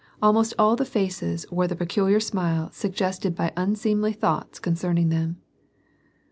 Almost all the faces wore the peculiar smile suggested by vinseemly thonghts concerning tnem.